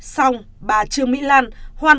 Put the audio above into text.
xong bà trương mỹ lan hoàn toàn biến scb thành công cụ